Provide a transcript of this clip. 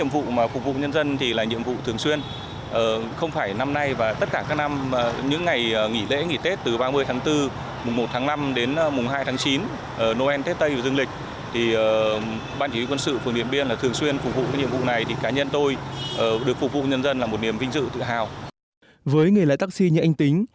với người lái taxi như anh tính